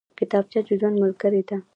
کتابچه د ژوند ملګرې ده